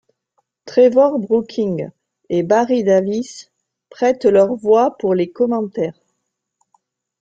Trevor Brooking et Barry Davies prêtent leur voix pour les commentaires.